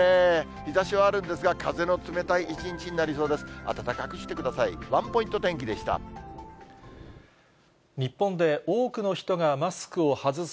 日ざしはあるんですが、風の冷たい一日になりそうです。